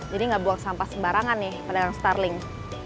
jadi nggak buang sampah sebarangan nih padahal yang starling